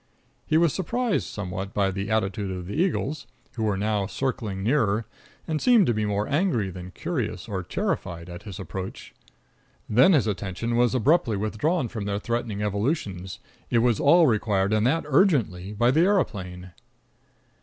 He was surprised somewhat by the attitude of the eagles, who were now circling nearer, and seemed to be more angry than curious or terrified at his approach. Then his attention was abruptly withdrawn from their threatening evolutions. It was all required, and that urgently, by the aeroplane.